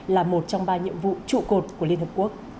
là một trong ba nhiệm vụ trụ cột của liên hợp quốc